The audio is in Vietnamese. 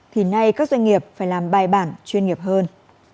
thì nay các doanh nghiệp phải làm bài bản chuyên nghiệp hơn